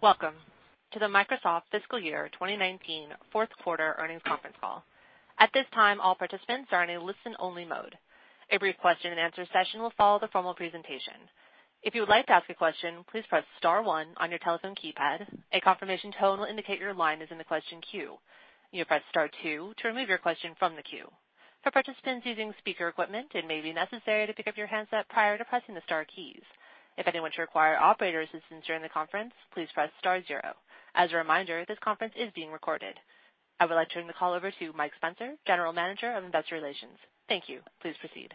Welcome to the Microsoft fiscal year 2019 4th quarter earnings conference call. As a reminder, this conference is being recorded. I would like to turn the call over to Mike Spencer, General Manager of Investor Relations. Thank you. Please proceed.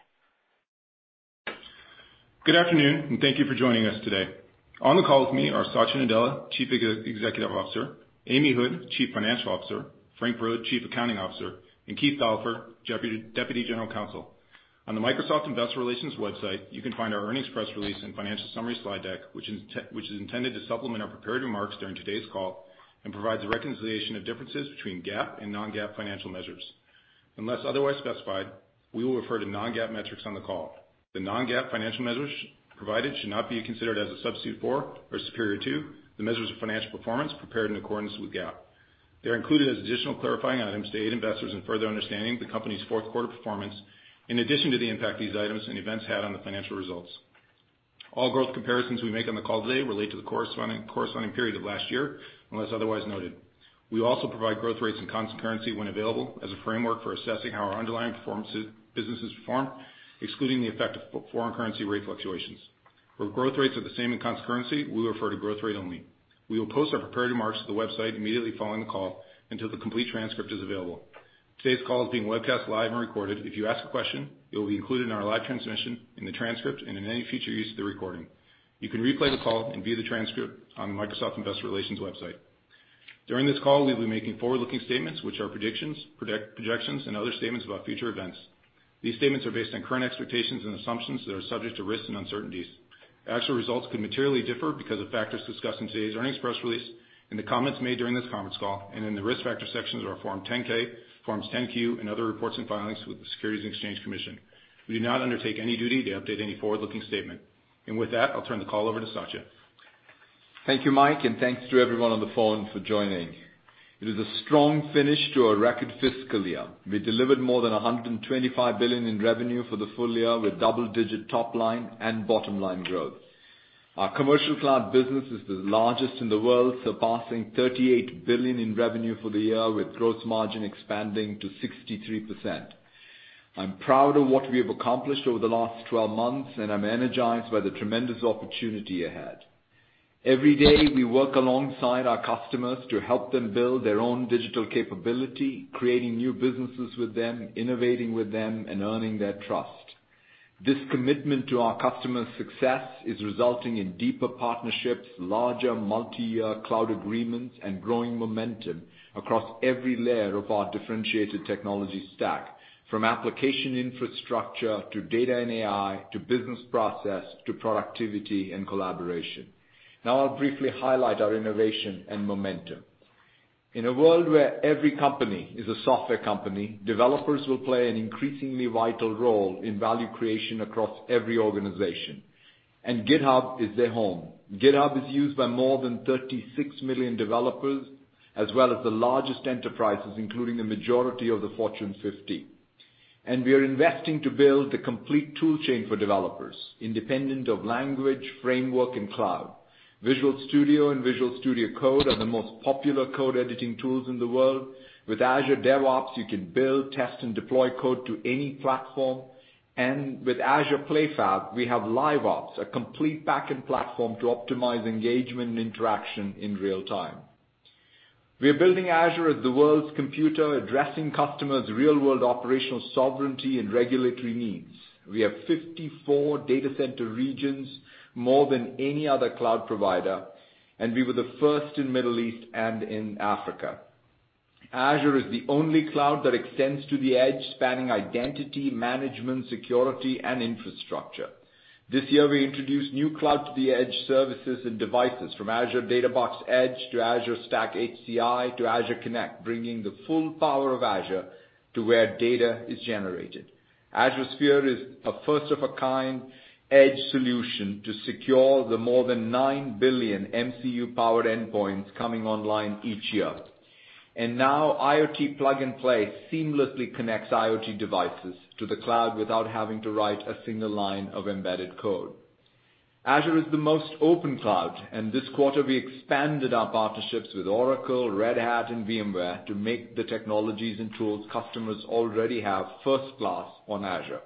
Good afternoon, and thank you for joining us today. On the call with me are Satya Nadella, Chief Executive Officer, Amy Hood, Chief Financial Officer, Frank Brod, Chief Accounting Officer, and Keith Dolliver, Deputy General Counsel. On the Microsoft Investor Relations website, you can find our earnings press release and financial summary slide deck, which is intended to supplement our prepared remarks during today's call, and provides a reconciliation of differences between GAAP and non-GAAP financial measures. Unless otherwise specified, we will refer to non-GAAP metrics on the call. The non-GAAP financial measures provided should not be considered as a substitute for or superior to the measures of financial performance prepared in accordance with GAAP. They are included as additional clarifying items to aid investors in further understanding the company's fourth quarter performance in addition to the impact these items and events had on the financial results. All growth comparisons we make on the call today relate to the corresponding period of last year, unless otherwise noted. We also provide growth rates and constant currency when available as a framework for assessing how our underlying businesses performed, excluding the effect of foreign currency rate fluctuations. Where growth rates are the same in constant currency, we will refer to growth rate only. We will post our prepared remarks to the website immediately following the call until the complete transcript is available. Today's call is being webcast live and recorded. If you ask a question, it will be included in our live transmission, in the transcript, and in any future use of the recording. You can replay the call and view the transcript on the Microsoft Investor Relations website. During this call, we'll be making forward-looking statements, which are predictions, projections, and other statements about future events. These statements are based on current expectations and assumptions that are subject to risks and uncertainties. Actual results could materially differ because of factors discussed in today's earnings press release, in the comments made during this conference call, and in the Risk Factors sections of our Form 10-K, Forms 10-Q, and other reports and filings with the Securities and Exchange Commission. We do not undertake any duty to update any forward-looking statement. With that, I'll turn the call over to Satya. Thank you, Mike, and thanks to everyone on the phone for joining. It is a strong finish to our record fiscal year. We delivered more than $125 billion in revenue for the full year with double-digit top line and bottom line growth. Our commercial cloud business is the largest in the world, surpassing $38 billion in revenue for the year, with gross margin expanding to 63%. I'm proud of what we have accomplished over the last 12 months, and I'm energized by the tremendous opportunity ahead. Every day, we work alongside our customers to help them build their own digital capability, creating new businesses with them, innovating with them, and earning their trust. This commitment to our customers' success is resulting in deeper partnerships, larger multi-year cloud agreements, and growing momentum across every layer of our differentiated technology stack, from application infrastructure to data and AI, to business process, to productivity and collaboration. Now I'll briefly highlight our innovation and momentum. In a world where every company is a software company, developers will play an increasingly vital role in value creation across every organization, and GitHub is their home. GitHub is used by more than 36 million developers, as well as the largest enterprises, including the majority of the Fortune 50. We are investing to build the complete tool chain for developers, independent of language, framework, and cloud. Visual Studio and Visual Studio Code are the most popular code editing tools in the world. With Azure DevOps, you can build, test, and deploy code to any platform. With Azure PlayFab, we have LiveOps, a complete backend platform to optimize engagement and interaction in real time. We are building Azure as the world's computer, addressing customers' real-world operational sovereignty and regulatory needs. We have 54 data center regions, more than any other cloud provider, and we were the first in Middle East and in Africa. Azure is the only cloud that extends to the edge, spanning identity, management, security, and infrastructure. This year, we introduced new cloud-to-the-edge services and devices, from Azure Data Box Edge to Azure Stack HCI to Azure Kinect, bringing the full power of Azure to where data is generated. Azure Sphere is a first-of-a-kind edge solution to secure the more than 9 billion MCU-powered endpoints coming online each year. Now, IoT Plug and Play seamlessly connects IoT devices to the cloud without having to write a single line of embedded code. Azure is the most open cloud, and this quarter, we expanded our partnerships with Oracle, Red Hat, and VMware to make the technologies and tools customers already have first class on Azure.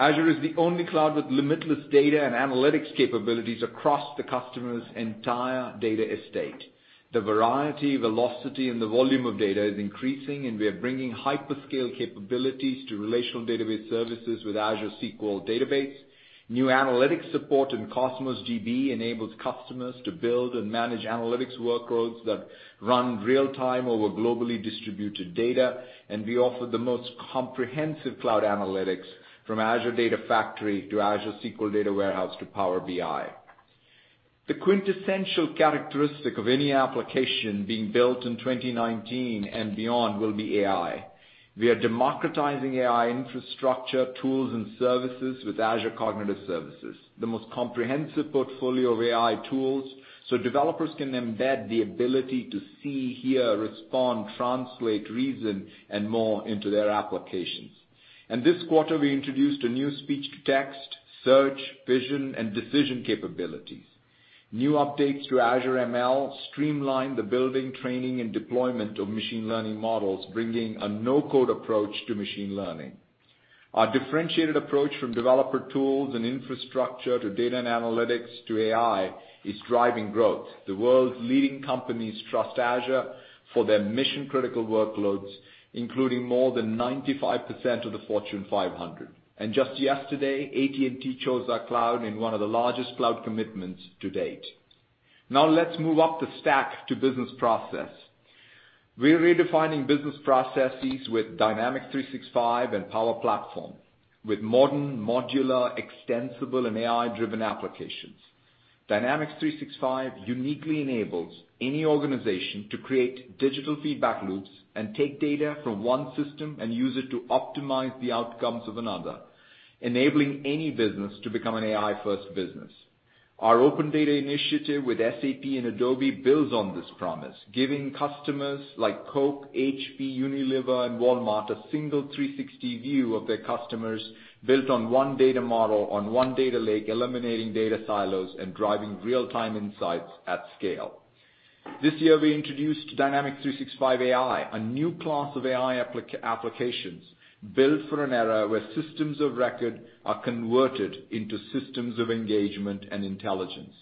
Azure is the only cloud with limitless data and analytics capabilities across the customer's entire data estate. The variety, velocity, and the volume of data is increasing, and we are bringing hyperscale capabilities to relational database services with Azure SQL Database. New analytics support in Cosmos DB enables customers to build and manage analytics workloads that run real time over globally distributed data, and we offer the most comprehensive cloud analytics from Azure Data Factory to Azure SQL Data Warehouse to Power BI. The quintessential characteristic of any application being built in 2019 and beyond will be AI. We are democratizing AI infrastructure, tools, and services with Azure Cognitive Services, the most comprehensive portfolio of AI tools so developers can embed the ability to see, hear, respond, translate, reason, and more into their applications. This quarter, we introduced a new speech-to-text, search, vision, and decision capabilities. New updates to Azure ML streamline the building, training, and deployment of machine learning models, bringing a no-code approach to machine learning. Our differentiated approach from developer tools and infrastructure to data and analytics to AI is driving growth. The world's leading companies trust Azure for their mission-critical workloads, including more than 95% of the Fortune 500. Just yesterday, AT&T chose our cloud in one of the largest cloud commitments to date. Let's move up the stack to business process. We're redefining business processes with Dynamics 365 and Power Platform with modern, modular, extensible, and AI-driven applications. Dynamics 365 uniquely enables any organization to create digital feedback loops and take data from one system and use it to optimize the outcomes of another, enabling any business to become an AI-first business. Our Open Data Initiative with SAP and Adobe builds on this promise, giving customers like Coke, HP, Unilever, and Walmart a single 360 view of their customers built on 1 data model on one data lake, eliminating data silos and driving real-time insights at scale. This year, we introduced Dynamics 365 AI, a new class of AI applications built for an era where systems of record are converted into systems of engagement and intelligence.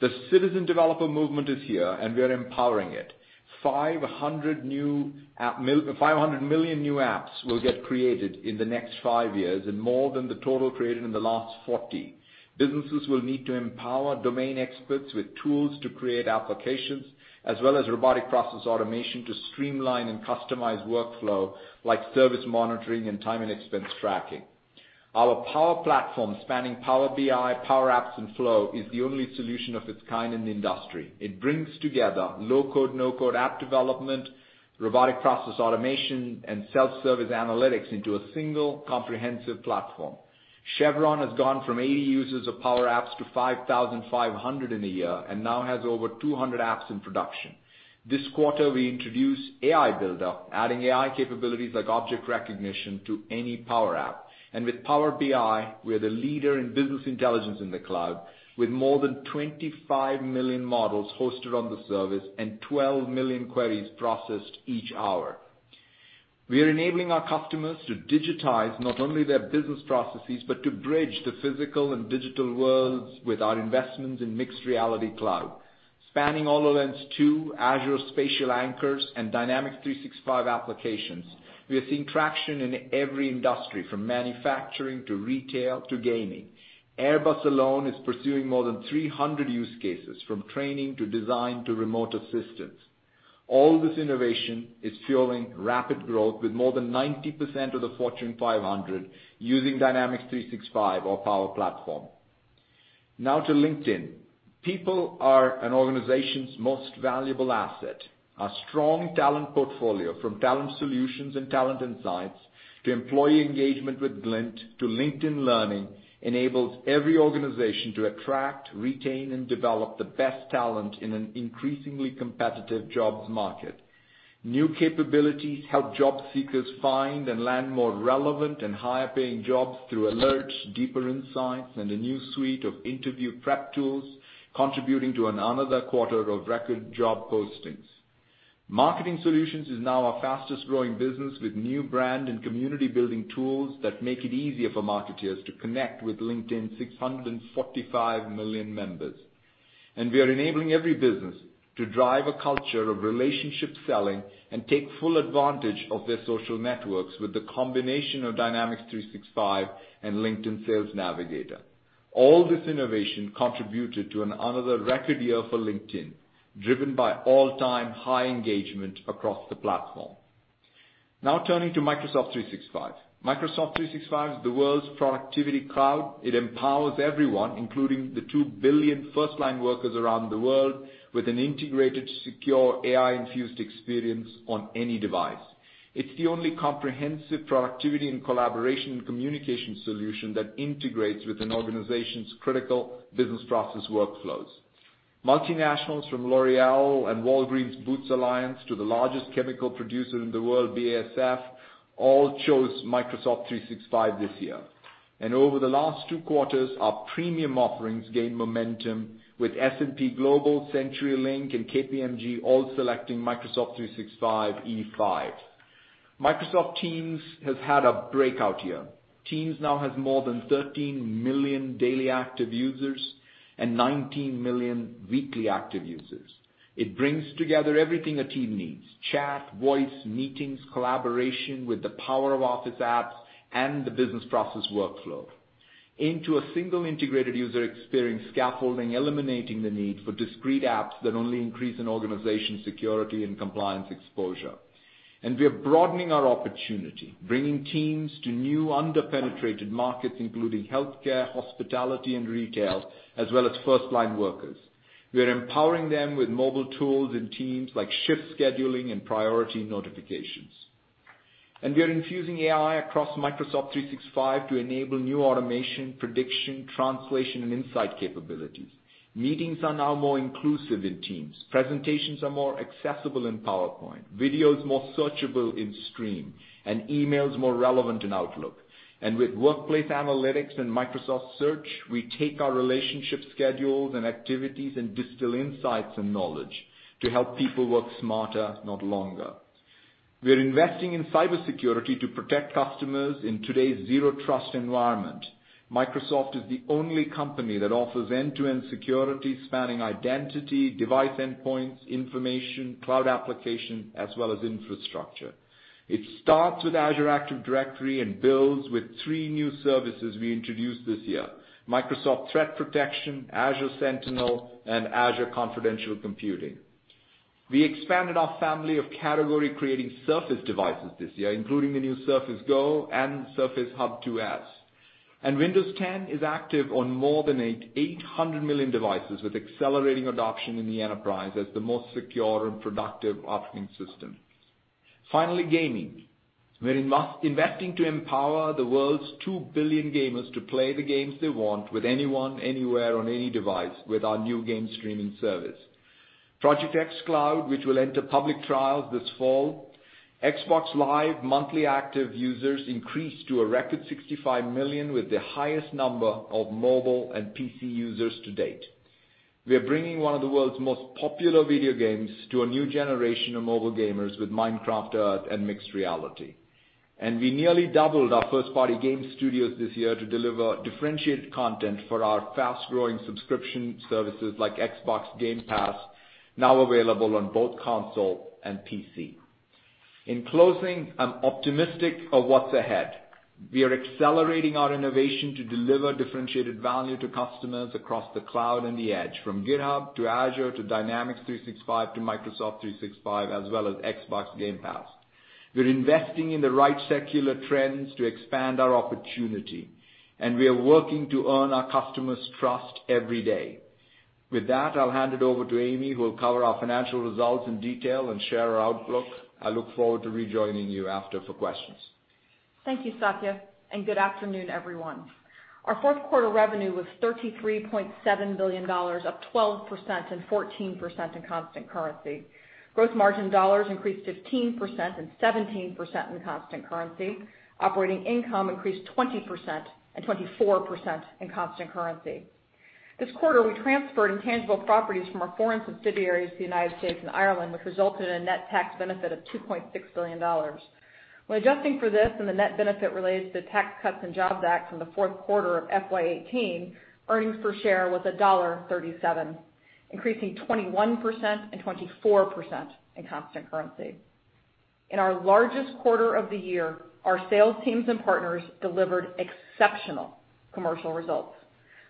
The citizen developer movement is here, and we are empowering it. 500 million new apps will get created in the next five years and more than the total created in the last 40. Businesses will need to empower domain experts with tools to create applications as well as robotic process automation to streamline and customize workflow like service monitoring and time and expense tracking. Our Power Platform spanning Power BI, Power Apps, and Power Automate is the only solution of its kind in the industry. It brings together low-code/no-code app development, robotic process automation, and self-service analytics into a single comprehensive platform. Chevron has gone from 80 users of Power Apps to 5,500 in a year and now has over 200 apps in production. This quarter, we introduced AI Builder, adding AI capabilities like object recognition to any Power App. With Power BI, we're the leader in business intelligence in the cloud with more than 25 million models hosted on the service and 12 million queries processed each hour. We are enabling our customers to digitize not only their business processes but to bridge the physical and digital worlds with our investments in Mixed Reality Cloud. Spanning HoloLens 2, Azure Spatial Anchors, and Dynamics 365 applications, we are seeing traction in every industry from manufacturing to retail to gaming. Airbus alone is pursuing more than 300 use cases from training to design to remote assistance. All this innovation is fueling rapid growth with more than 90% of the Fortune 500 using Dynamics 365 or Power Platform. Now to LinkedIn. People are an organization's most valuable asset. Our strong talent portfolio from Talent Solutions and Talent Insights to employee engagement with Glint to LinkedIn Learning enables every organization to attract, retain, and develop the best talent in an increasingly competitive jobs market. New capabilities help job seekers find and land more relevant and higher-paying jobs through alerts, deeper insights, and a new suite of interview prep tools contributing to another quarter of record job postings. Marketing Solutions is now our fastest-growing business with new brand and community-building tools that make it easier for marketers to connect with LinkedIn's 645 million members. We are enabling every business to drive a culture of relationship selling and take full advantage of their social networks with the combination of Dynamics 365 and LinkedIn Sales Navigator. All this innovation contributed to another record year for LinkedIn, driven by all-time high engagement across the platform. Turning to Microsoft 365. Microsoft 365 is the world's productivity cloud. It empowers everyone, including the 2 billion firstline workers around the world, with an integrated, secure, AI-infused experience on any device. It's the only comprehensive productivity and collaboration and communication solution that integrates with an organization's critical business process workflows. Multinationals from L'Oréal and Walgreens Boots Alliance to the largest chemical producer in the world, BASF, all chose Microsoft 365 this year. Over the last two quarters, our premium offerings gained momentum with S&P Global, CenturyLink, and KPMG all selecting Microsoft 365 E5. Microsoft Teams has had a breakout year. Teams now has more than 13 million daily active users and 19 million weekly active users. It brings together everything a team needs, chat, voice, meetings, collaboration with the power of Office apps and the business process workflow into a single integrated user experience scaffolding, eliminating the need for discrete apps that only increase an organization's security and compliance exposure. We are broadening our opportunity, bringing Teams to new under-penetrated markets, including healthcare, hospitality, and retail, as well as firstline workers. We are empowering them with mobile tools in Teams like shift scheduling and priority notifications. We are infusing AI across Microsoft 365 to enable new automation, prediction, translation, and insight capabilities. Meetings are now more inclusive in Teams. Presentations are more accessible in PowerPoint, videos more searchable in Stream, and emails more relevant in Outlook. With Workplace Analytics and Microsoft Search, we take our relationship schedules and activities and distill insights and knowledge to help people work smarter, not longer. We're investing in cybersecurity to protect customers in today's zero-trust environment. Microsoft is the only company that offers end-to-end security spanning identity, device endpoints, information, cloud application, as well as infrastructure. It starts with Azure Active Directory and builds with three new services we introduced this year: Microsoft Threat Protection, Azure Sentinel, and Azure confidential computing. We expanded our family of category-creating Surface devices this year, including the new Surface Go and Surface Hub 2S. Windows 10 is active on more than 800 million devices with accelerating adoption in the enterprise as the most secure and productive operating system. Finally, gaming. We're investing to empower the world's 2 billion gamers to play the games they want with anyone, anywhere, on any device with our new game streaming service, Project xCloud, which will enter public trials this fall. Xbox Live monthly active users increased to a record 65 million, with the highest number of mobile and PC users to date. We are bringing one of the world's most popular video games to a new generation of mobile gamers with Minecraft Earth and mixed reality. We nearly doubled our first-party game studios this year to deliver differentiated content for our fast-growing subscription services like Xbox Game Pass, now available on both console and PC. In closing, I'm optimistic of what's ahead. We are accelerating our innovation to deliver differentiated value to customers across the cloud and the edge, from GitHub to Azure to Dynamics 365 to Microsoft 365 as well as Xbox Game Pass. We're investing in the right secular trends to expand our opportunity, and we are working to earn our customers' trust every day. With that, I'll hand it over to Amy, who will cover our financial results in detail and share our outlook. I look forward to rejoining you after for questions. Thank you, Satya, and good afternoon, everyone. Our fourth quarter revenue was $33.7 billion, up 12% and 14% in constant currency. Gross margin dollars increased 15% and 17% in constant currency. Operating income increased 20% and 24% in constant currency. This quarter, we transferred intangible properties from our foreign subsidiaries to the United States and Ireland, which resulted in a net tax benefit of $2.6 billion. When adjusting for this and the net benefit related to the Tax Cuts and Jobs Act from the fourth quarter of FY 2018, earnings per share was $1.37, increasing 21% and 24% in constant currency. In our largest quarter of the year, our sales teams and partners delivered exceptional commercial results,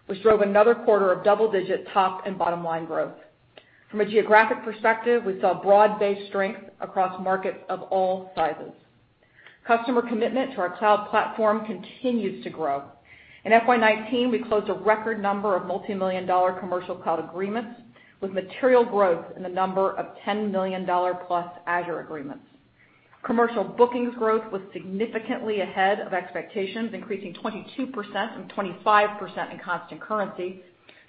which drove another quarter of double-digit top and bottom-line growth. From a geographic perspective, we saw broad-based strength across markets of all sizes. Customer commitment to our cloud platform continues to grow. In FY 2019, we closed a record number of multimillion-dollar commercial cloud agreements with material growth in the number of $10 million-plus Azure agreements. Commercial bookings growth was significantly ahead of expectations, increasing 22% and 25% in constant currency,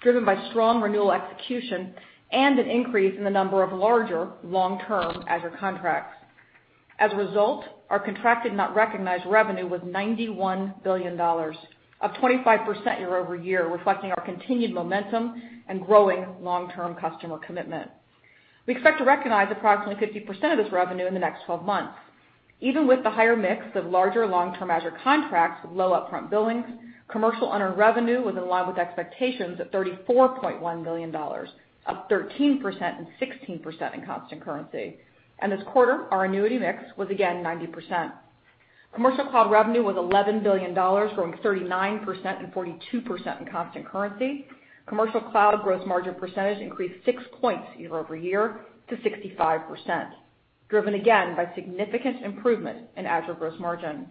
driven by strong renewal execution and an increase in the number of larger long-term Azure contracts. As a result, our contracted not recognized revenue was $91 billion, up 25% year-over-year, reflecting our continued momentum and growing long-term customer commitment. We expect to recognize approximately 50% of this revenue in the next 12 months. Even with the higher mix of larger long-term Azure contracts with low upfront billings, commercial unearned revenue was in line with expectations at $34.1 billion, up 13% and 16% in constant currency. This quarter, our annuity mix was again 90%. Commercial cloud revenue was $11 billion, growing 39% and 42% in constant currency. Commercial cloud gross margin percentage increased 6 points year-over-year to 65%, driven again by significant improvement in Azure gross margin.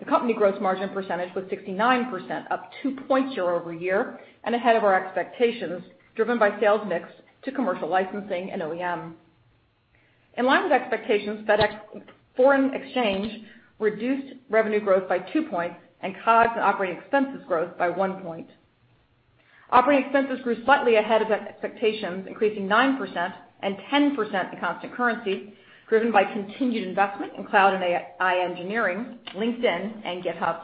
The company gross margin percentage was 69%, up 2 points year-over-year and ahead of our expectations, driven by sales mix to commercial licensing and OEM. In line with expectations, foreign exchange reduced revenue growth by 2 points and COGS and operating expenses growth by 1 point. Operating expenses grew slightly ahead of expectations, increasing 9% and 10% in constant currency, driven by continued investment in cloud and AI engineering, LinkedIn and GitHub.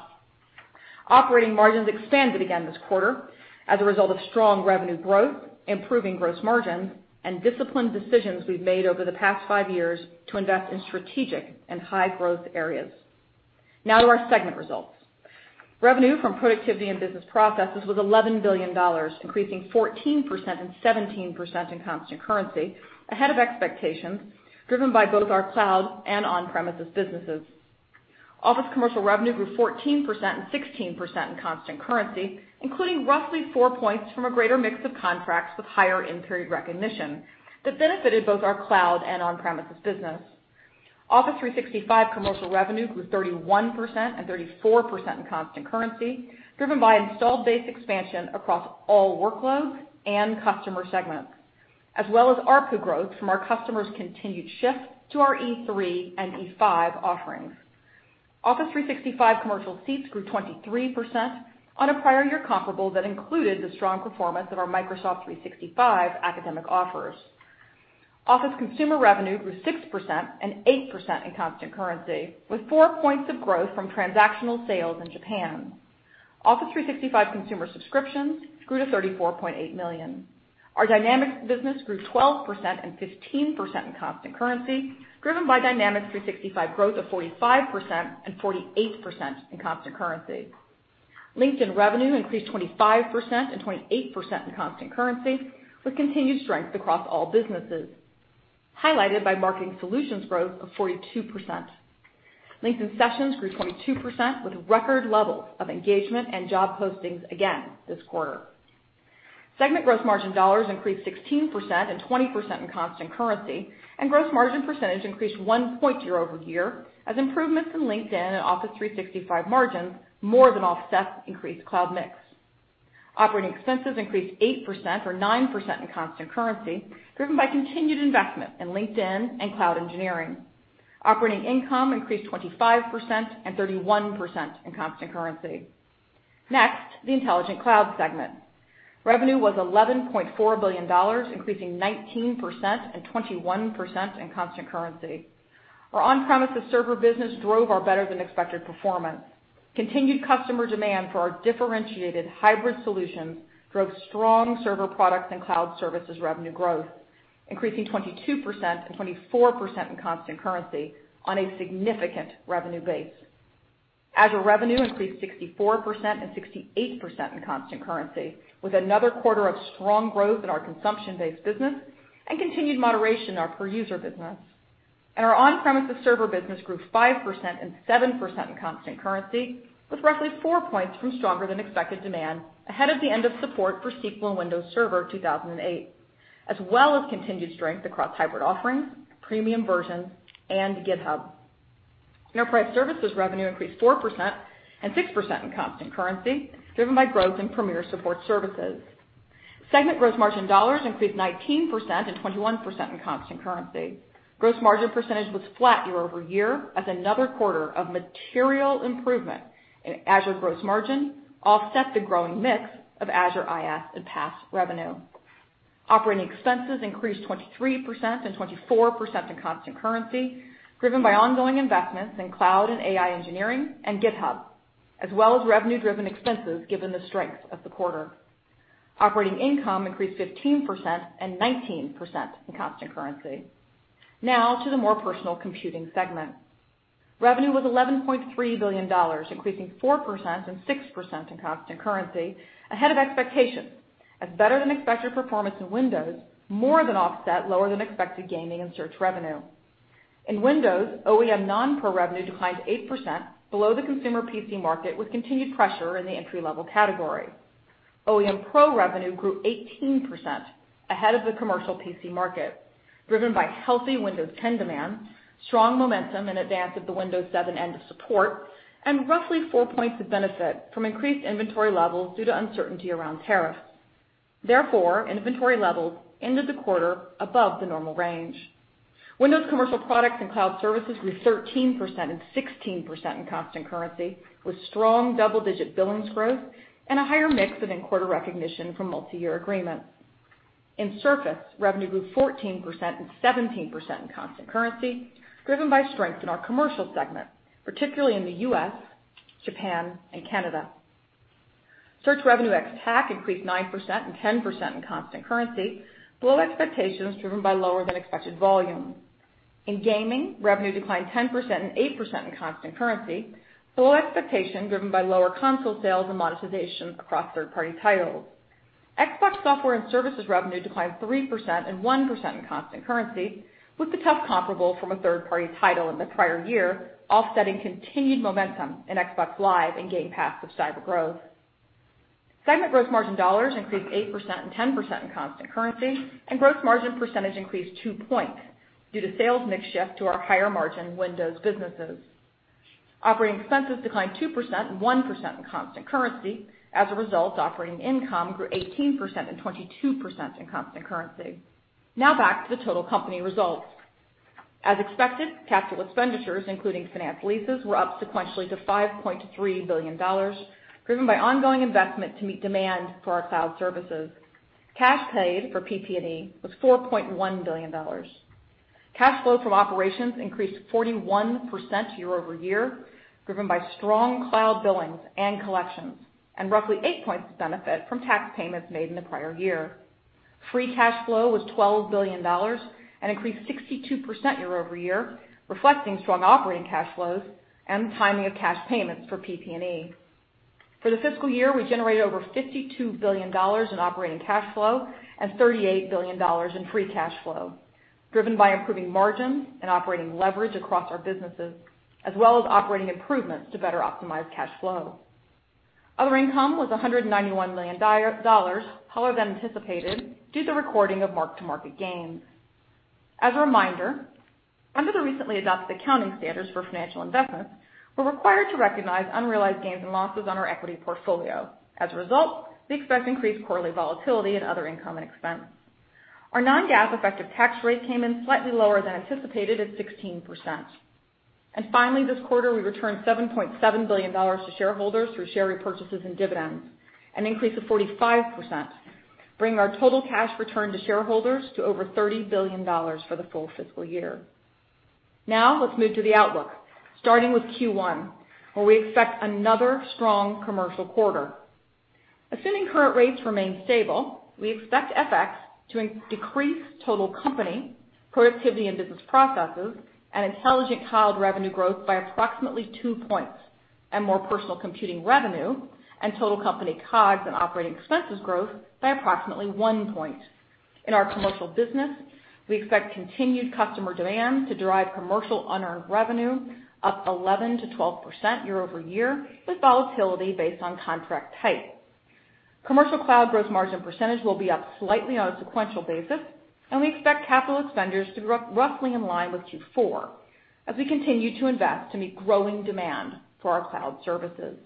Operating margins expanded again this quarter as a result of strong revenue growth, improving gross margins, and disciplined decisions we've made over the past five years to invest in strategic and high-growth areas. To our segment results. Revenue from productivity and business processes was $11 billion, increasing 14% and 17% in constant currency, ahead of expectations, driven by both our cloud and on-premises businesses. Office Commercial revenue grew 14% and 16% in constant currency, including roughly 4 points from a greater mix of contracts with higher in-period recognition that benefited both our cloud and on-premises business. Office 365 Commercial revenue grew 31% and 34% in constant currency, driven by installed base expansion across all workloads and customer segments, as well as ARPU growth from our customers' continued shift to our E3 and E5 offerings. Office 365 Commercial seats grew 23% on a prior year comparable that included the strong performance of our Microsoft 365 Academic offers. Office Consumer revenue grew 6% and 8% in constant currency, with 4 points of growth from transactional sales in Japan. Office 365 Consumer subscriptions grew to 34.8 million. Our Dynamics business grew 12% and 15% in constant currency, driven by Dynamics 365 growth of 45% and 48% in constant currency. LinkedIn revenue increased 25% and 28% in constant currency, with continued strength across all businesses, highlighted by Marketing Solutions growth of 42%. LinkedIn sessions grew 22% with record levels of engagement and job postings again this quarter. Segment gross margin dollars increased 16% and 20% in constant currency, and gross margin percentage increased one point year-over-year as improvements in LinkedIn and Office 365 margins more than offset increased cloud mix. Operating expenses increased 8% or 9% in constant currency, driven by continued investment in LinkedIn and cloud engineering. Operating income increased 25% and 31% in constant currency. Next, the Intelligent Cloud segment. Revenue was $11.4 billion, increasing 19% and 21% in constant currency. Our on-premises server business drove our better than expected performance. Continued customer demand for our differentiated hybrid solutions drove strong server products and cloud services revenue growth, increasing 22% and 24% in constant currency on a significant revenue base. Azure revenue increased 64% and 68% in constant currency, with another quarter of strong growth in our consumption-based business and continued moderation in our per-user business. Our on-premises server business grew 5% and 7% in constant currency, with roughly 4 points from stronger than expected demand ahead of the end of support for SQL and Windows Server 2008, as well as continued strength across hybrid offerings, premium versions, and GitHub. Enterprise services revenue increased 4% and 6% in constant currency, driven by growth in premier support services. Segment gross margin dollars increased 19% and 21% in constant currency. Gross margin percentage was flat year-over-year as another quarter of material improvement in Azure gross margin offset the growing mix of Azure IaaS and PaaS revenue. Operating expenses increased 23% and 24% in constant currency, driven by ongoing investments in cloud and AI engineering and GitHub, as well as revenue driven expenses given the strength of the quarter. Operating income increased 15% and 19% in constant currency. Now to the More Personal Computing segment. Revenue was $11.3 billion, increasing 4% and 6% in constant currency ahead of expectations as better than expected performance in Windows more than offset lower than expected gaming and search revenue. In Windows, OEM non-Pro revenue declined 8% below the consumer PC market with continued pressure in the entry-level category. OEM Pro revenue grew 18% ahead of the commercial PC market, driven by healthy Windows 10 demand, strong momentum in advance of the Windows 7 end of support, and roughly 4 points of benefit from increased inventory levels due to uncertainty around tariffs. Therefore, inventory levels ended the quarter above the normal range. Windows commercial products and cloud services grew 13% and 16% in constant currency, with strong double-digit billings growth and a higher mix of in-quarter recognition from multiyear agreements. In Surface, revenue grew 14% and 17% in constant currency, driven by strength in our commercial segment, particularly in the U.S., Japan, and Canada. Search revenue ex-TAC increased 9% and 10% in constant currency, below expectations driven by lower than expected volume. In gaming, revenue declined 10% and 8% in constant currency, below expectation driven by lower console sales and monetization across third-party titles. Xbox software and services revenue declined 3% and 1% in constant currency, with the tough comparable from a third-party title in the prior year offsetting continued momentum in Xbox Live and Game Pass with subscriber growth. Segment gross margin dollars increased 8% and 10% in constant currency, and gross margin percentage increased 2 points due to sales mix shift to our higher margin Windows businesses. Operating expenses declined 2% and 1% in constant currency. Operating income grew 18% and 22% in constant currency. Back to the total company results. As expected, capital expenditures, including finance leases, were up sequentially to $5.3 billion, driven by ongoing investment to meet demand for our cloud services. Cash paid for PP&E was $4.1 billion. Cash flow from operations increased 41% year-over-year, driven by strong cloud billings and collections, and roughly 8 points of benefit from tax payments made in the prior year. Free cash flow was $12 billion and increased 62% year-over-year, reflecting strong operating cash flows and the timing of cash payments for PP&E. For the fiscal year, we generated over $52 billion in operating cash flow and $38 billion in free cash flow, driven by improving margins and operating leverage across our businesses, as well as operating improvements to better optimize cash flow. Other income was $191 million, lower than anticipated due to recording of mark-to-market gains. As a reminder, under the recently adopted accounting standards for financial investments, we're required to recognize unrealized gains and losses on our equity portfolio. As a result, we expect increased quarterly volatility in other income and expense. Our non-GAAP effective tax rate came in slightly lower than anticipated at 16%. Finally, this quarter, we returned $7.7 billion to shareholders through share repurchases and dividends, an increase of 45%, bringing our total cash return to shareholders to over $30 billion for the full fiscal year. Now let's move to the outlook, starting with Q1, where we expect another strong commercial quarter. Assuming current rates remain stable, we expect FX to decrease total company productivity and business processes and intelligent cloud revenue growth by approximately 2 points and more personal computing revenue and total company COGS and operating expenses growth by approximately 1 point. In our commercial business, we expect continued customer demand to drive commercial unearned revenue up 11% to 12% year-over-year, with volatility based on contract type. Commercial cloud gross margin % will be up slightly on a sequential basis, and we expect capital spenders to be roughly in line with Q4 as we continue to invest to meet growing demand for our cloud services.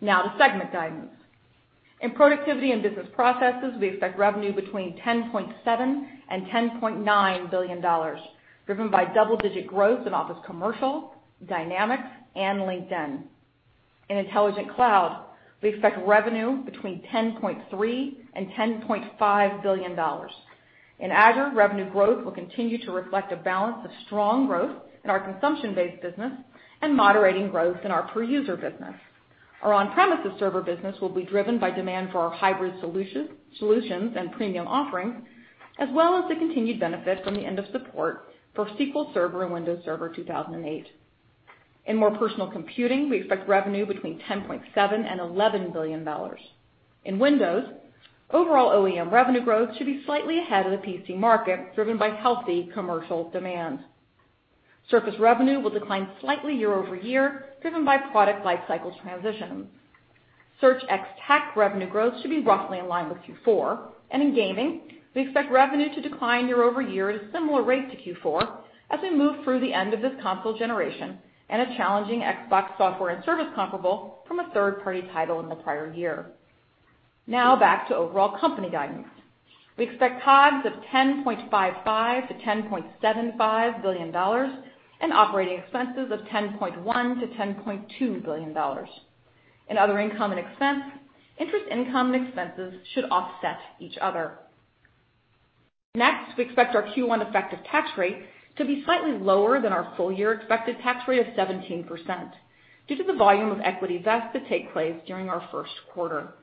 Now to segment guidance. In Productivity and Business Processes, we expect revenue between $10.7 billion and $10.9 billion, driven by double-digit growth in Office Commercial, Dynamics and LinkedIn. In Intelligent Cloud, we expect revenue between $10.3 billion and $10.5 billion. In Azure, revenue growth will continue to reflect a balance of strong growth in our consumption-based business and moderating growth in our per-user business. Our on-premises server business will be driven by demand for our hybrid solutions and premium offerings, as well as the continued benefit from the end of support for SQL Server and Windows Server 2008. In more personal computing, we expect revenue between $10.7 billion and $11 billion. In Windows, overall OEM revenue growth should be slightly ahead of the PC market, driven by healthy commercial demand. Surface revenue will decline slightly year-over-year, driven by product life cycles transition. Search ex-TAC revenue growth should be roughly in line with Q4. In gaming, we expect revenue to decline year-over-year at a similar rate to Q4 as we move through the end of this console generation and a challenging Xbox software and service comparable from a third-party title in the prior year. Back to overall company guidance. We expect COGS of $10.55 billion-$10.75 billion and operating expenses of $10.1 billion-$10.2 billion. In other income and expense, interest income and expenses should offset each other. Next, we expect our Q1 effective tax rate to be slightly lower than our full year expected tax rate of 17% due to the volume of equity vest that take place during our first quarter.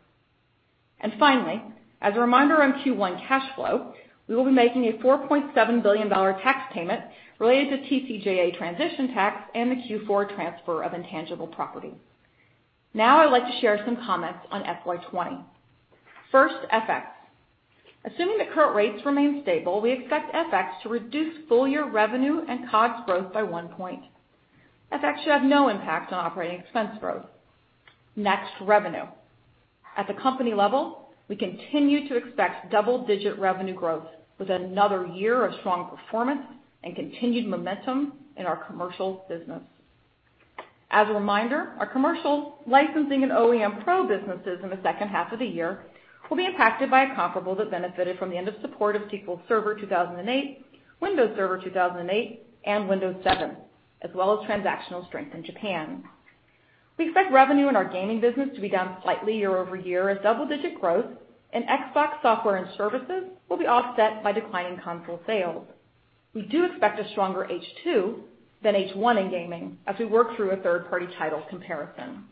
Finally, as a reminder on Q1 cash flow, we will be making a $4.7 billion tax payment related to TCJA transition tax and the Q4 transfer of intangible property. Now, I'd like to share some comments on FY 2020. First, FX. Assuming the current rates remain stable, we expect FX to reduce full year revenue and COGS growth by 1 point. FX should have no impact on operating expense growth. Next, revenue. At the company level, we continue to expect double-digit revenue growth with another year of strong performance and continued momentum in our commercial business. As a reminder, our commercial licensing and OEM pro businesses in the second half of the year will be impacted by a comparable that benefited from the end of support of SQL Server 2008, Windows Server 2008, and Windows 7, as well as transactional strength in Japan. We expect revenue in our gaming business to be down slightly year-over-year as double-digit growth in Xbox software and services will be offset by declining console sales. We do expect a stronger H2 than H1 in gaming as we work through a third-party title comparison.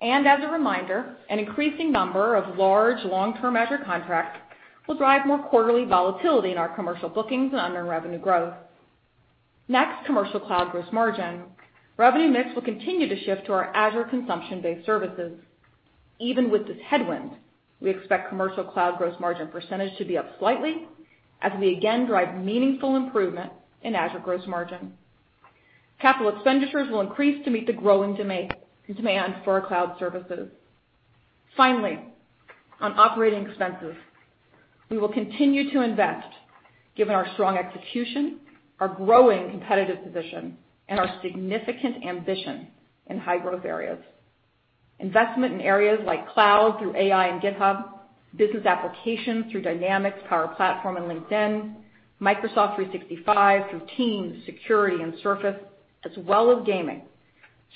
As a reminder, an increasing number of large long-term Azure contracts will drive more quarterly volatility in our commercial bookings and unearned revenue growth. Next, commercial cloud gross margin. Revenue mix will continue to shift to our Azure consumption-based services. Even with this headwind, we expect commercial cloud gross margin % to be up slightly as we again drive meaningful improvement in Azure gross margin. CapEx will increase to meet the growing demand for our cloud services. Finally, on OpEx, we will continue to invest given our strong execution, our growing competitive position, and our significant ambition in high-growth areas. Investment in areas like cloud through AI and GitHub, business applications through Dynamics, Power Platform and LinkedIn, Microsoft 365 through Teams, Security and Surface, as well as gaming,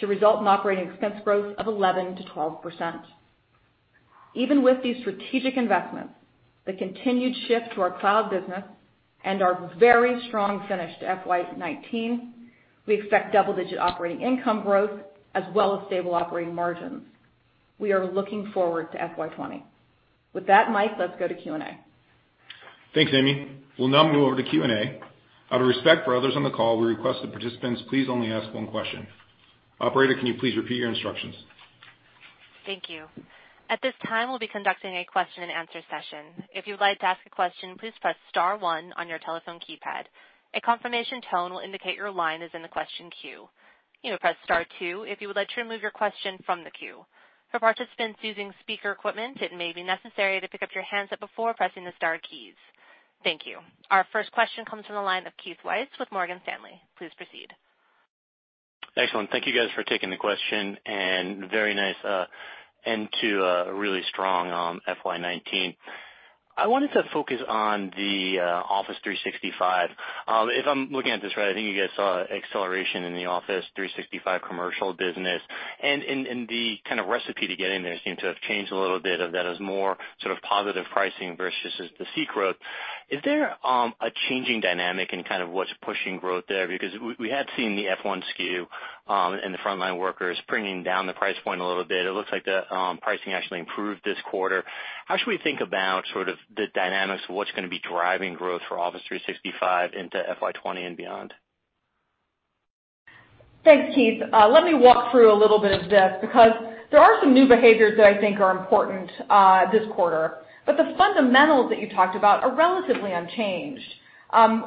to result in OpEx growth of 11%-12%. Even with these strategic investments, the continued shift to our cloud business and our very strong finish to FY 2019, we expect double-digit operating income growth as well as stable operating margins. We are looking forward to FY 2020. With that, Mike, let's go to Q&A. Thanks, Amy. We'll now move over to Q&A. Out of respect for others on the call, we request that participants please only ask one question. Operator, can you please repeat your instructions? Thank you. At this time, we'll be conducting a question-and-answer session. If you would like to ask a question, please press star one on your telephone keypad. A confirmation tone will indicate your line is in the question queue. You may press star two if you would like to remove your question from the queue. For participants using speaker equipment, it may be necessary to pick up your handset before pressing the star keys. Thank you. Our first question comes from the line of Keith Weiss with Morgan Stanley. Please proceed. Excellent. Thank you guys for taking the question and very nice end to a really strong FY 2019. I wanted to focus on the Office 365. If I'm looking at this right, I think you guys saw acceleration in the Office 365 Commercial business and the kind of recipe to get in there seemed to have changed a little bit of that as more sort of positive pricing versus the seat growth. Is there a changing dynamic in kind of what's pushing growth there? Because we had seen the F1 SKU and the frontline workers bringing down the price point a little bit. It looks like the pricing actually improved this quarter. How should we think about sort of the dynamics of what's gonna be driving growth for Office 365 into FY 2020 and beyond? Thanks, Keith. Let me walk through a little bit of this because there are some new behaviors that I think are important this quarter. The fundamentals that you talked about are relatively unchanged.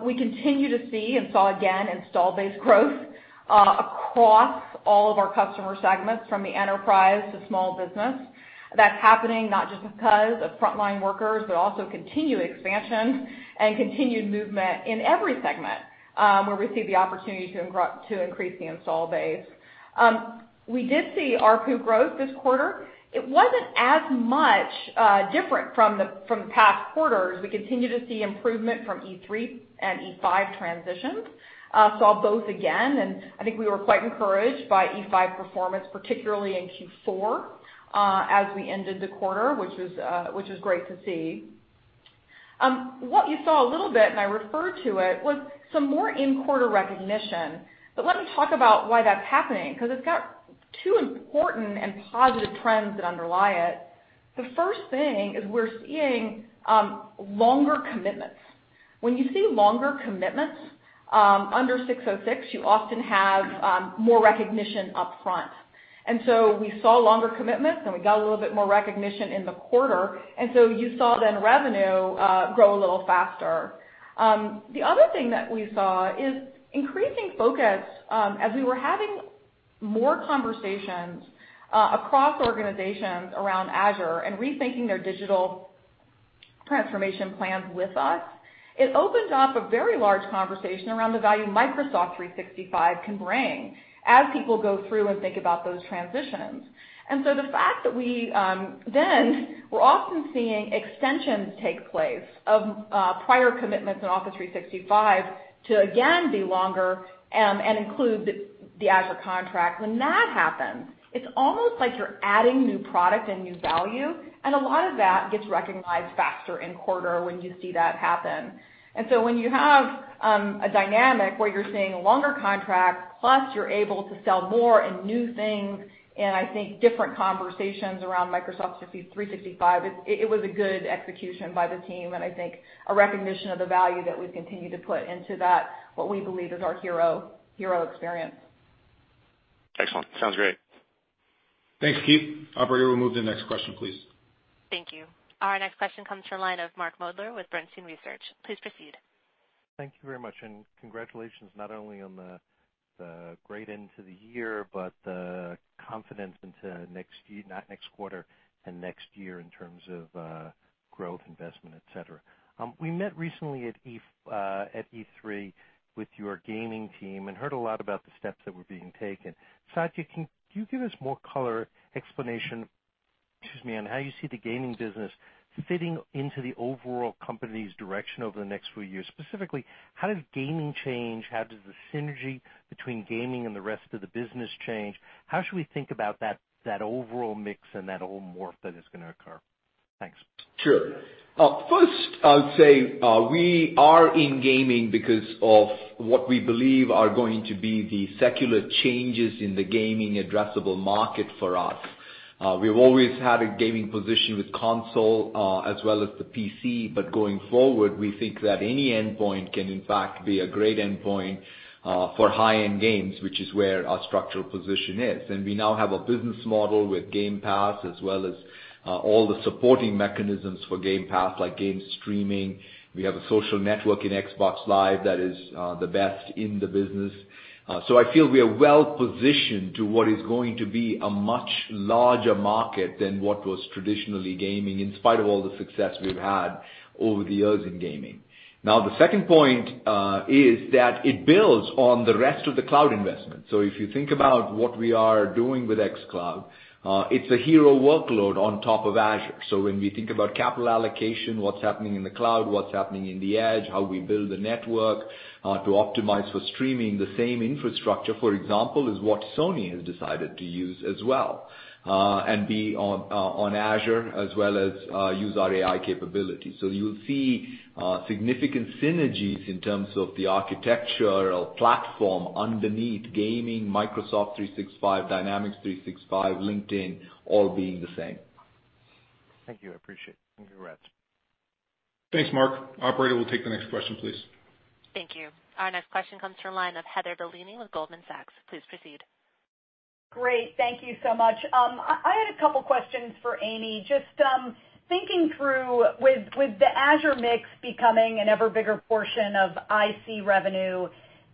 We continue to see and saw again install base growth across all of our customer segments, from the enterprise to small business. That's happening not just because of frontline workers, but also continued expansion and continued movement in every segment, where we see the opportunity to increase the install base. We did see ARPU growth this quarter. It wasn't as much different from the past quarters. We continue to see improvement from E3 and E5 transitions. Saw both again. I think we were quite encouraged by E5 performance, particularly in Q4, as we ended the quarter, which is great to see. What you saw a little bit, I referred to it, was some more in-quarter recognition. Let me talk about why that's happening, 'cause it's got two important and positive trends that underlie it. The first thing is we're seeing longer commitments. When you see longer commitments, under ASC 606, you often have more recognition up front. We saw longer commitments, we got a little bit more recognition in the quarter. You saw then revenue grow a little faster. The other thing that we saw is increasing focus, as we were having more conversations across organizations around Azure and rethinking their digital transformation plans with us, it opened up a very large conversation around the value Microsoft 365 can bring as people go through and think about those transitions. The fact that we then were often seeing extensions take place of prior commitments in Office 365 to again be longer and include the Azure contract, when that happens, it's almost like you're adding new product and new value, and a lot of that gets recognized faster in quarter when you see that happen. When you have a dynamic where you're seeing longer contracts, plus you're able to sell more and new things and I think different conversations around Microsoft 365, it was a good execution by the team and I think a recognition of the value that we've continued to put into that, what we believe is our hero experience. Excellent. Sounds great. Thanks, Keith. Operator, we'll move to the next question, please. Thank you. Our next question comes from line of Mark Moerdler with Bernstein Research. Please proceed. Thank you very much. Congratulations not only on the great end to the year, but the confidence into next year, not next quarter and next year in terms of growth, investment, et cetera. We met recently at E3 with your gaming team and heard a lot about the steps that were being taken. Satya, can you give us more color explanation, excuse me, on how you see the gaming business fitting into the overall company's direction over the next few years? Specifically, how does gaming change? How does the synergy between gaming and the rest of the business change? How should we think about that overall mix and that whole morph that is gonna occur? Thanks. Sure. First, I would say, we are in gaming because of what we believe are going to be the secular changes in the gaming addressable market for us. We've always had a gaming position with console, as well as the PC, but going forward, we think that any endpoint can in fact be a great endpoint for high-end games, which is where our structural position is. We now have a business model with Game Pass as well as all the supporting mechanisms for Game Pass, like game streaming. We have a social network in Xbox Live that is the best in the business. I feel we are well positioned to what is going to be a much larger market than what was traditionally gaming, in spite of all the success we've had over the years in gaming. The second point is that it builds on the rest of the cloud investment. If you think about what we are doing with xCloud, it's a hero workload on top of Azure. When we think about capital allocation, what's happening in the cloud, what's happening in the edge, how we build the network to optimize for streaming the same infrastructure, for example, is what Sony has decided to use as well and be on Azure as well as use our AI capabilities. You'll see significant synergies in terms of the architecture or platform underneath gaming, Microsoft 365, Dynamics 365, LinkedIn all being the same. Thank you, I appreciate it. Congrats. Thanks, Mark. Operator, we will take the next question, please. Thank you. Our next question comes from line of Heather Bellini with Goldman Sachs. Please proceed. Great. Thank you so much. I had a couple questions for Amy. Just thinking through with the Azure mix becoming an ever bigger portion of IC revenue,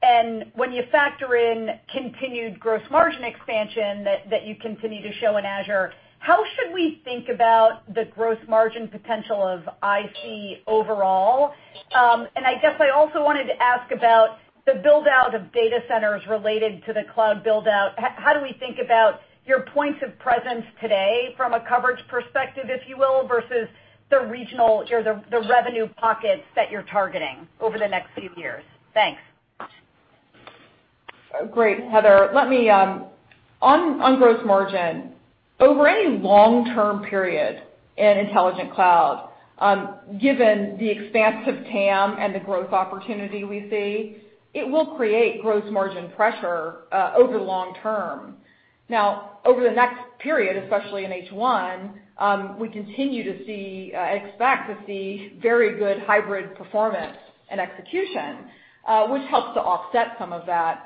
and when you factor in continued gross margin expansion that you continue to show in Azure, how should we think about the gross margin potential of IC overall? I guess I also wanted to ask about the build-out of data centers related to the cloud build-out. How do we think about your points of presence today from a coverage perspective, if you will, versus the regional or the revenue pockets that you're targeting over the next few years? Thanks. Great, Heather. Let me On gross margin, over any long-term period in Intelligent Cloud, given the expanse of TAM and the growth opportunity we see, it will create gross margin pressure over long term. Over the next period, especially in H1, we continue to see and expect to see very good hybrid performance and execution, which helps to offset some of that.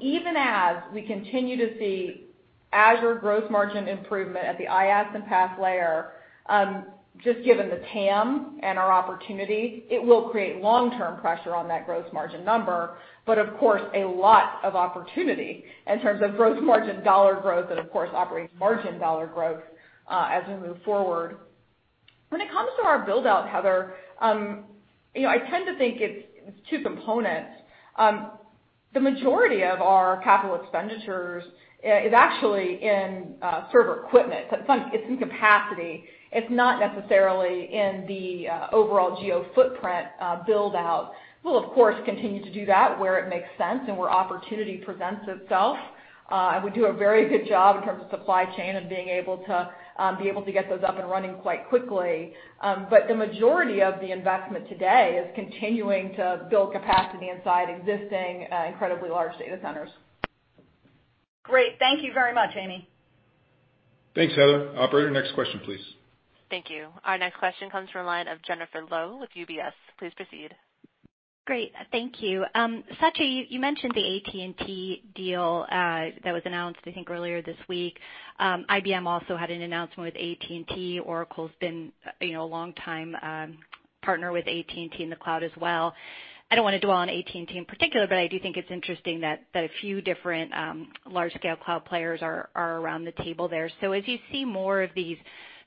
Even as we continue to see Azure growth margin improvement at the IaaS and PaaS layer, just given the TAM and our opportunity, it will create long-term pressure on that gross margin number, but of course, a lot of opportunity in terms of gross margin dollar growth and of course, operating margin dollar growth as we move forward. When it comes to our build-out, Heather, you know, I tend to think it's two components. The majority of our capital expenditures is actually in server equipment. It's in capacity. It's not necessarily in the overall geo footprint build-out. We'll of course, continue to do that where it makes sense and where opportunity presents itself. We do a very good job in terms of supply chain and being able to get those up and running quite quickly. The majority of the investment today is continuing to build capacity inside existing incredibly large data centers. Great. Thank you very much, Amy. Thanks, Heather. Operator, next question, please. Thank you. Our next question comes from the line of Jennifer Lowe with UBS. Please proceed. Great. Thank you. Satya, you mentioned the AT&T deal that was announced, I think, earlier this week. IBM also had an announcement with AT&T. Oracle's been, you know, a long time partner with AT&T in the cloud as well. I don't wanna dwell on AT&T in particular, but I do think it's interesting that a few different large scale cloud players are around the table there. As you see more of these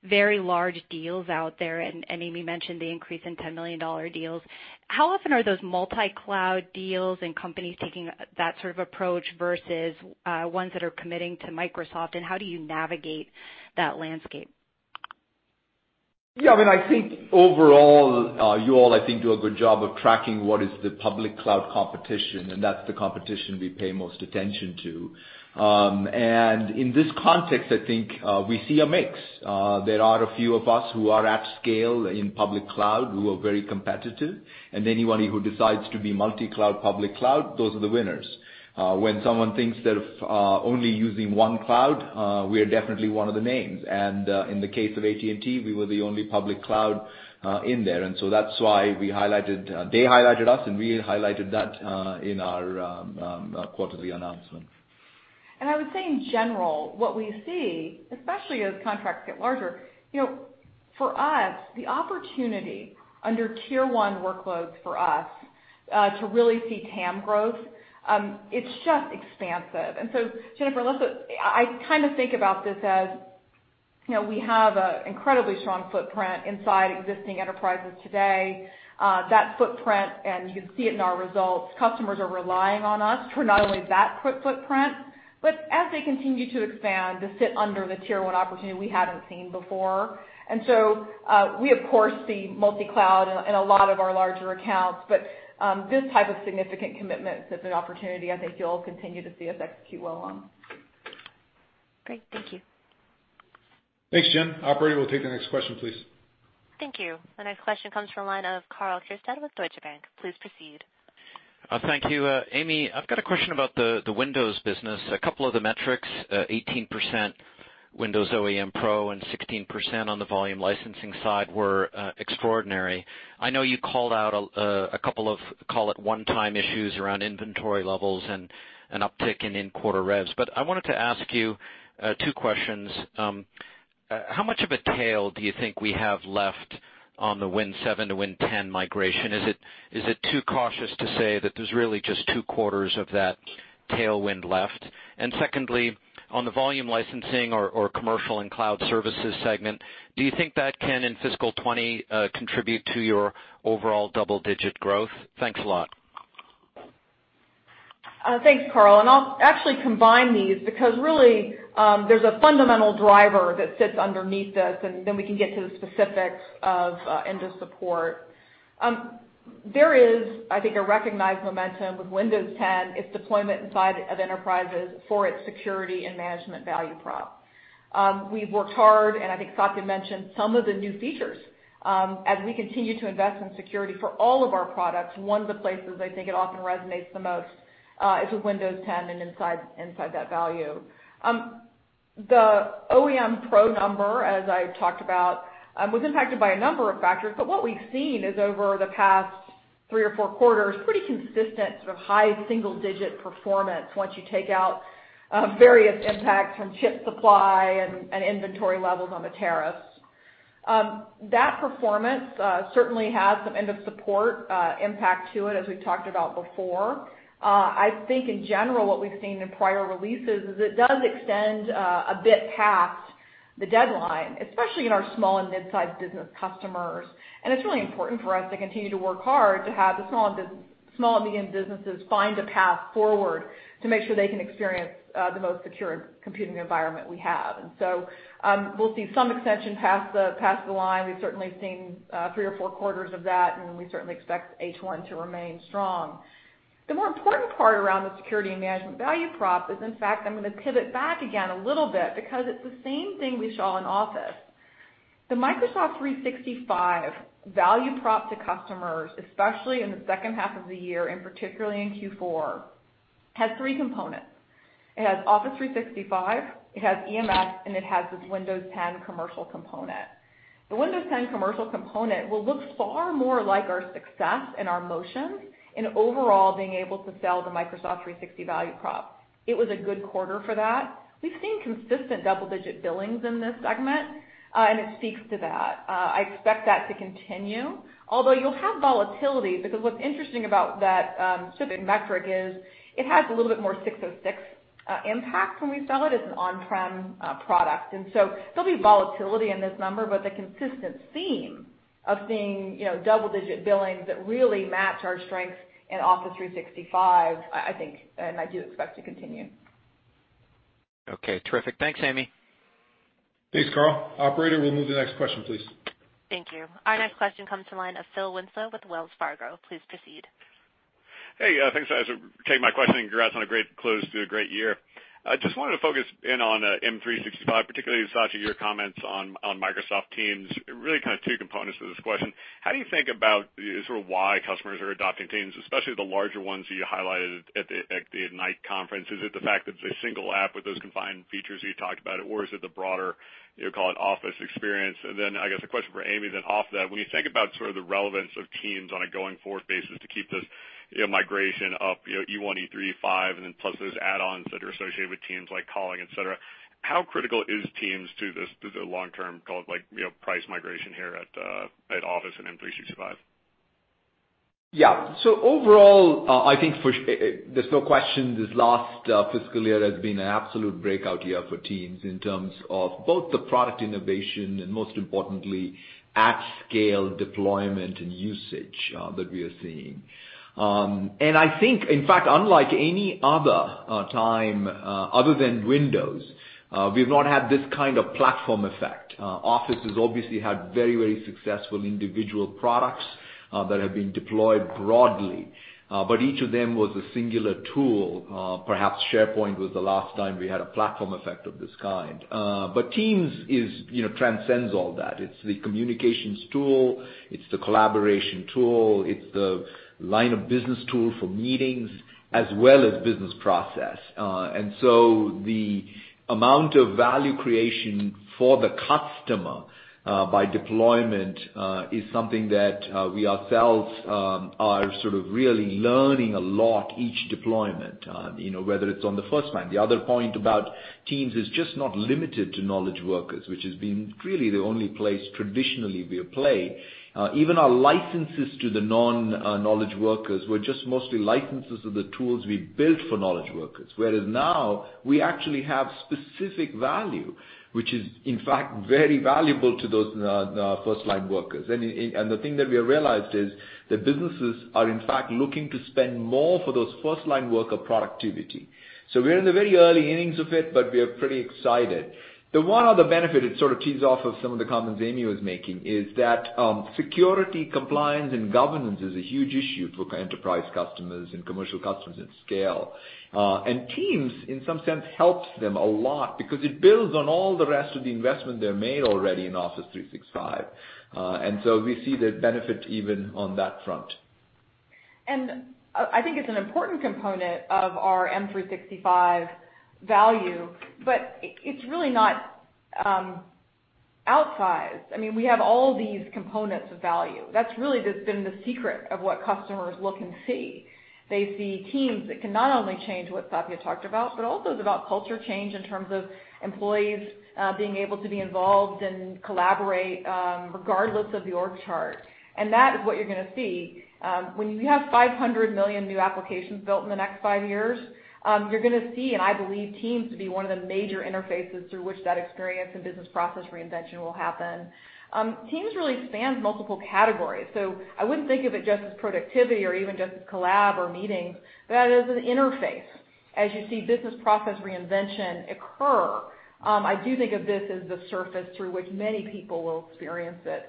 very large deals out there, and Amy mentioned the increase in $10 million deals, how often are those multi-cloud deals and companies taking that sort of approach versus ones that are committing to Microsoft, and how do you navigate that landscape? Yeah, I mean, I think overall, you all I think do a good job of tracking what is the public cloud competition, and that's the competition we pay most attention to. In this context, I think, we see a mix. There are a few of us who are at scale in public cloud who are very competitive, and anyone who decides to be multi-cloud, public cloud, those are the winners. When someone thinks they're only using one cloud, we are definitely one of the names. In the case of AT&T, we were the only public cloud in there. That's why we highlighted, they highlighted us, and we highlighted that in our quarterly announcement. I would say in general, what we see, especially as contracts get larger, you know, for us, the opportunity under tier 1 workloads for us, to really see TAM growth, it's just expansive. Jennifer, let's, I kinda think about this as, you know, we have a incredibly strong footprint inside existing enterprises today. That footprint, and you can see it in our results, customers are relying on us for not only that footprint, but as they continue to expand, to sit under the tier 1 opportunity we haven't seen before. We of course see multi-cloud in a, in a lot of our larger accounts, but, this type of significant commitment is an opportunity I think you'll continue to see us execute well on. Great. Thank you. Thanks, Jen. Operator, we'll take the next question, please. Thank you. The next question comes from line of Karl Keirstead with Deutsche Bank. Please proceed. Thank you. Amy, I've got a question about the Windows business. A couple of the metrics, 18% Windows OEM Pro and 16% on the volume licensing side were extraordinary. I know you called out a couple of, call it one-time issues around inventory levels and an uptick in in-quarter revs. I wanted to ask you two questions. How much of a tail do you think we have left on the Windows 7 to Windows 10 migration? Is it too cautious to say that there's really just two quarters of that tailwind left? Secondly, on the volume licensing or commercial and cloud services segment, do you think that can in FY 2020 contribute to your overall double-digit growth? Thanks a lot. Thanks, Karl, and I'll actually combine these because really, there's a fundamental driver that sits underneath this, and then we can get to the specifics of end of support. There is, I think, a recognized momentum with Windows 10, its deployment inside of enterprises for its security and management value prop. We've worked hard, and I think Satya mentioned some of the new features. As we continue to invest in security for all of our products, one of the places I think it often resonates the most, is with Windows 10 and inside that value. The OEM Pro number, as I talked about, was impacted by a number of factors, but what we've seen is over the past three or four quarters, pretty consistent sort of high single-digit performance once you take out various impacts from chip supply and inventory levels on the tariffs. That performance certainly has some end of support impact to it as we've talked about before. I think in general, what we've seen in prior releases is it does extend a bit past the deadline, especially in our small and mid-sized business customers. It's really important for us to continue to work hard to have the small and medium businesses find a path forward to make sure they can experience the most secure computing environment we have. We'll see some extension past the line. We've certainly seen three or four quarters of that, and we certainly expect H1 to remain strong. The more important part around the security and management value prop is, in fact, I'm gonna pivot back again a little bit because it's the same thing we saw in Office. The Microsoft 365 value prop to customers, especially in the second half of the year, and particularly in Q4, has three components. It has Office 365, it has EMS, and it has this Windows 10 commercial component. The Windows 10 commercial component will look far more like our success and our motions in overall being able to sell the Microsoft 365 value prop. It was a good quarter for that. We've seen consistent double-digit billings in this segment, and it speaks to that. I expect that to continue, although you'll have volatility because what's interesting about that specific metric is it has a little bit more 606 impact when we sell it as an on-prem product. There'll be volatility in this number, but the consistent theme of seeing, you know, double-digit billings that really match our strengths in Office 365, I think, and I do expect to continue. Okay. Terrific. Thanks, Amy. Thanks, Karl. Operator, we'll move to the next question, please. Thank you. Our next question comes to the line of Phil Winslow with Wells Fargo. Please proceed. Hey, thanks for taking my question. Congrats on a great close to a great year. I just wanted to focus in on M365, particularly, Satya, your comments on Microsoft Teams. Really kind of two components to this question. How do you think about sort of why customers are adopting Teams, especially the larger ones you highlighted at the Ignite conference? Is it the fact that it's a single app with those combined features you talked about? Or is it the broader, you call it Office experience? I guess a question for Amy then off that, when you think about sort of the relevance of Teams on a going forward basis to keep this, you know, migration up, you know, E1, E3, E5, and then plus those add-ons that are associated with Teams like calling, et cetera, how critical is Teams to this, to the long term called like, you know, price migration here at Office and M365? Yeah. Overall, I think there's no question this last fiscal year has been an absolute breakout year for Teams in terms of both the product innovation and most importantly, at scale deployment and usage that we are seeing. I think, in fact, unlike any other time, other than Windows, we've not had this kind of platform effect. Office has obviously had very, very successful individual products that have been deployed broadly, but each of them was a singular tool. Perhaps SharePoint was the last time we had a platform effect of this kind. Teams is, you know, transcends all that. It's the communications tool, it's the collaboration tool, it's the line of business tool for meetings, as well as business process. The amount of value creation for the customer, by deployment, is something that we ourselves are sort of really learning a lot each deployment, you know, whether it's on the first line. The other point about Teams is just not limited to knowledge workers, which has been really the only place traditionally we have played. Even our licenses to the non knowledge workers were just mostly licenses of the tools we built for knowledge workers. Whereas now we actually have specific value, which is in fact very valuable to those first line workers. The thing that we have realized is that businesses are in fact looking to spend more for those first line worker productivity. We're in the very early innings of it, but we are pretty excited. The one other benefit it sort of tees off of some of the comments Amy was making is that, security compliance and governance is a huge issue for enterprise customers and commercial customers at scale. Teams, in some sense, helps them a lot because it builds on all the rest of the investment they've made already in Office 365. We see the benefit even on that front. I think it's an important component of our M365 value, but it's really not outsized. I mean, we have all these components of value. That's really just been the secret of what customers look and see. They see Teams that can not only change what Satya talked about, but also is about culture change in terms of employees, being able to be involved and collaborate, regardless of the org chart. That is what you're gonna see. When you have 500 million new applications built in the next five years, you're gonna see and I believe Teams to be one of the major interfaces through which that experience and business process reinvention will happen. Teams really spans multiple categories. I wouldn't think of it just as productivity or even just as collab or meetings, but as an interface. As you see business process reinvention occur, I do think of this as the Surface through which many people will experience it.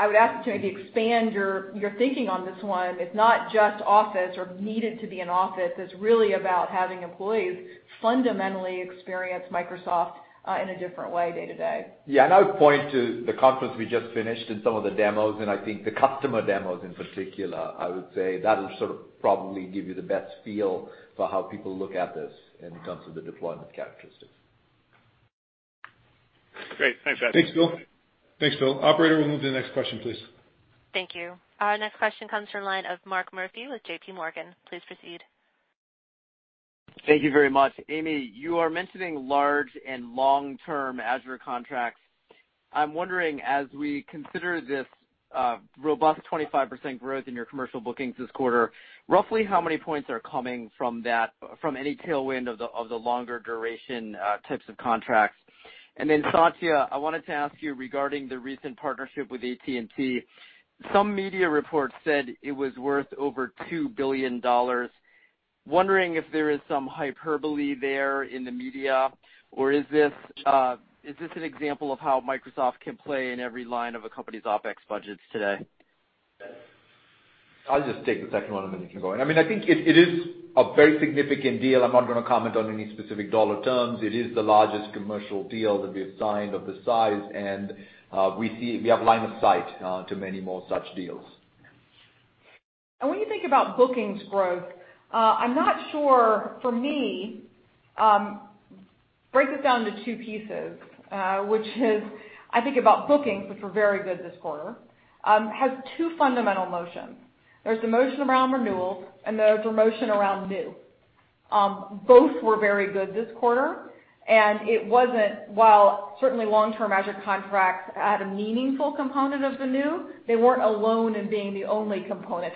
I would ask you to maybe expand your thinking on this one. It's not just Office or needed to be in Office. It's really about having employees fundamentally experience Microsoft in a different way day-to-day. I would point to the conference we just finished and some of the demos, and I think the customer demos in particular, I would say that'll sort of probably give you the best feel for how people look at this in terms of the deployment characteristics. Great. Thanks. Thanks, Phil. Operator, we'll move to the next question, please. Thank you. Our next question comes from line of Mark Murphy with J.P. Morgan, please proceed. Thank you very much. Amy, you are mentioning large and long-term Azure contracts. I'm wondering, as we consider this robust 25% growth in your commercial bookings this quarter, roughly how many points are coming from any tailwind of the longer duration types of contracts? Then Satya, I wanted to ask you regarding the recent partnership with AT&T. Some media reports said it was worth over $2 billion. Wondering if there is some hyperbole there in the media, or is this an example of how Microsoft can play in every line of a company's OpEx budgets today? I'll just take the second one and Amy can go in. I mean, I think it is a very significant deal. I'm not gonna comment on any specific dollar terms. It is the largest commercial deal that we have signed of this size, and we have line of sight to many more such deals. When you think about bookings growth, I'm not sure for me, break this down to two pieces, which is I think about bookings, which were very good this quarter, has two fundamental motions. Both were very good this quarter, While certainly long-term Azure contracts had a meaningful component of the new, they weren't alone in being the only component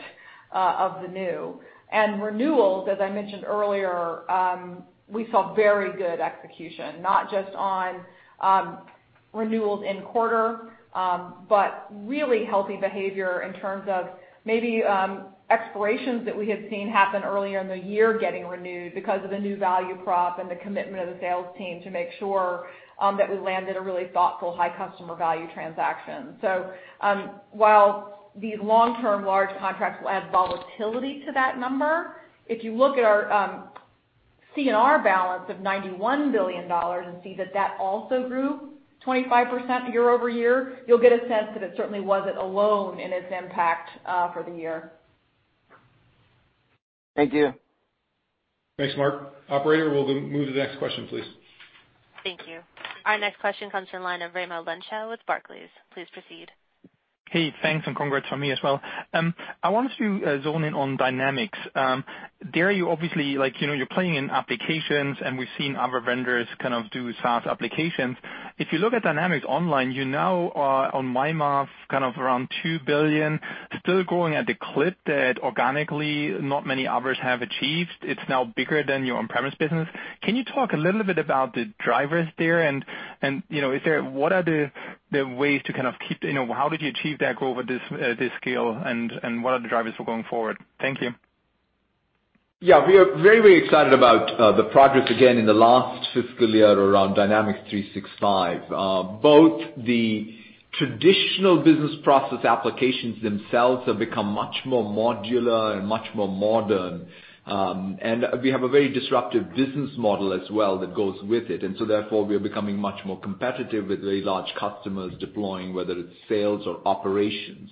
of the new. Renewals, as I mentioned earlier, we saw very good execution, not just on renewals in quarter, but really healthy behavior in terms of maybe expirations that we had seen happen earlier in the year getting renewed because of the new value prop and the commitment of the sales team to make sure that we landed a really thoughtful high customer value transaction. While these long-term large contracts will add volatility to that number, if you look at our CNR balance of $91 billion and see that that also grew 25% year-over-year, you'll get a sense that it certainly wasn't alone in its impact for the year. Thank you. Thanks, Mark. Operator, we'll move to the next question, please. Thank you. Our next question comes from line of Raimo Lenschow with Barclays. Please proceed. Hey, thanks and congrats from me as well. I wanted to zone in on Dynamics. There you obviously like, you know, you're playing in applications, and we've seen other vendors kind of do SaaS applications. If you look at Dynamics Online, you now are on my math, kind of around $2 billion, still growing at the clip that organically not many others have achieved. It's now bigger than your on-premise business. Can you talk a little bit about the drivers there and, you know, what are the ways to kind of keep, you know, how did you achieve that growth at this scale and what are the drivers for going forward? Thank you. We are very, very excited about the progress again in the last fiscal year around Dynamics 365. Both the traditional business process applications themselves have become much more modular and much more modern. We have a very disruptive business model as well that goes with it. Therefore, we are becoming much more competitive with very large customers deploying, whether it's sales or operations.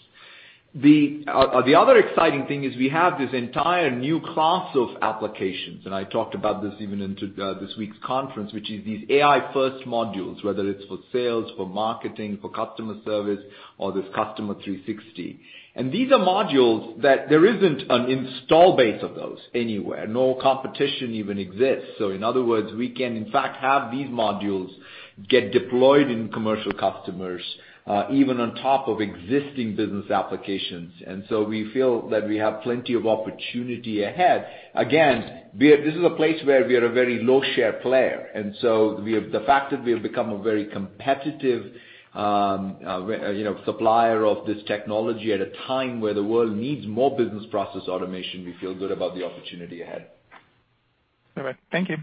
The other exciting thing is we have this entire new class of applications, and I talked about this even in this week's conference, which is these AI first modules, whether it's for sales, for marketing, for customer service or this Customer 360. These are modules that there isn't an install base of those anywhere. No competition even exists. In other words, we can in fact have these modules get deployed in commercial customers, even on top of existing business applications. We feel that we have plenty of opportunity ahead. Again, this is a place where we are a very low share player, we have the fact that we have become a very competitive, you know, supplier of this technology at a time where the world needs more business process automation, we feel good about the opportunity ahead. All right. Thank you.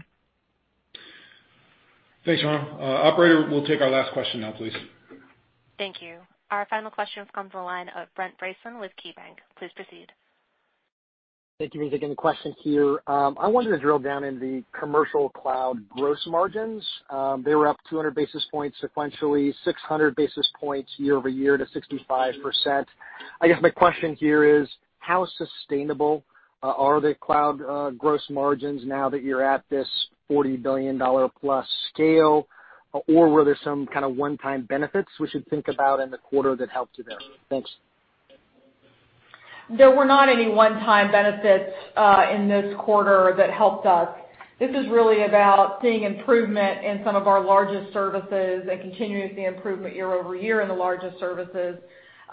Thanks, Raimo. Operator, we'll take our last question now, please. Thank you. Our final question comes from the line of Brent Bracelin with KeyBanc. Please proceed. Thank you. Me taking the question here. I wanted to drill down in the Commercial Cloud gross margins. They were up 200 basis points sequentially, 600 basis points year-over-year to 65%. I guess my question here is how sustainable are the cloud gross margins now that you're at this $40 billion plus scale? Were there some kinda one-time benefits we should think about in the quarter that helped you there? Thanks. There were not any one-time benefits in this quarter that helped us. This is really about seeing improvement in some of our largest services and continuing to see improvement year-over-year in the largest services.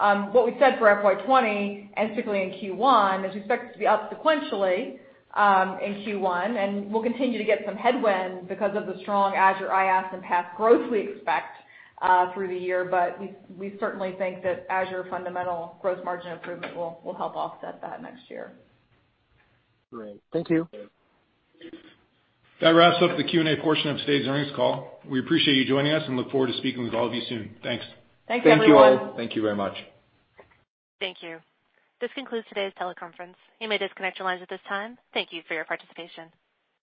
What we said for FY 2020, and particularly in Q1, is we expect it to be up sequentially in Q1, and we'll continue to get some headwind because of the strong Azure IaaS and PaaS growth we expect through the year. We certainly think that Azure fundamental gross margin improvement will help offset that next year. Great. Thank you. That wraps up the Q&A portion of today's earnings call. We appreciate you joining us and look forward to speaking with all of you soon. Thanks. Thanks, everyone. Thank you all. Thank you very much. Thank you. This concludes today's teleconference. You may disconnect your lines at this time. Thank you for your participation.